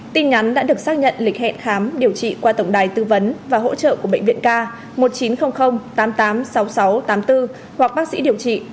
tin nhắn đã được xác nhận lịch hẹn khám điều trị qua tổng đài tư vấn và hỗ trợ của bệnh viện k một chín không không tám tám sáu sáu tám bốn hoặc bác sĩ điều trị